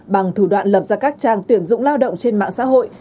bằng thủ đoạn lập ra các trang tuyển dụng lao động trên mạng xã hội